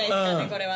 これは。